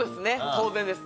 当然です。